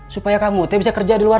supaya kamu bisa kerja di luar